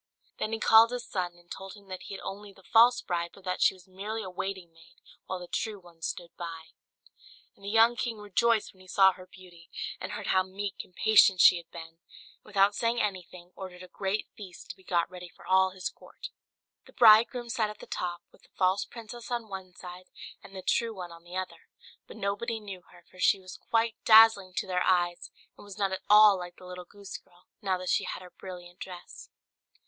Then he called his son, and told him that he had only the false bride, for that she was merely a waiting maid, while the true one stood by. And the young king rejoiced when he saw her beauty, and heard how meek and patient she had been; and without saying anything, ordered a great feast to be got ready for all his court. The bridegroom sat at the top, with the false princess on one side, and the true one on the other; but nobody knew her, for she was quite dazzling to their eyes, and was not at all like the little goose girl, now that she had her brilliant dress.